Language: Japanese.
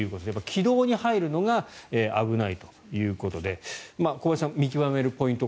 気道に入るのが危ないということで小林さん、見極めるポイント